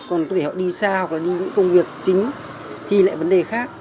còn có thể họ đi xa hoặc đi những công việc chính thì lại vấn đề khác